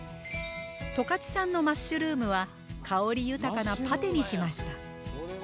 十勝産のマッシュルームは香り豊かなパテにしました。